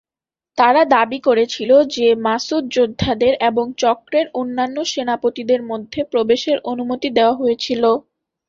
তারা দাবি করেছিল যে মাসউদ যোদ্ধাদের এবং চক্রের অন্যান্য সেনাপতিদের মধ্যে প্রবেশের অনুমতি দেওয়া হয়েছিল।